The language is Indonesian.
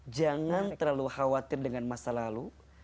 jangan terlalu khawatir dengan masa lalu